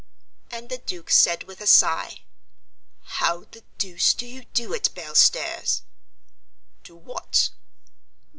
And the Duke said with a sigh, "How the deuce do you do it. Belstairs?" "Do what?"